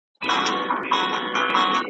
تا دا علم دی له چا څخه زده کړی `